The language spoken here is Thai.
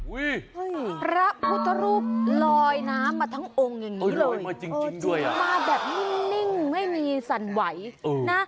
พระพุทธรูปลอยน้ำมาทั้งองค์อย่างนี้เลยมาแบบนิ่งไม่มีสั่นไหวนะ